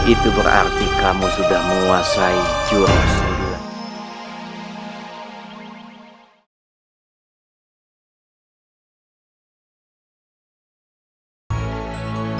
itu berarti kamu sudah menguasai jurusulat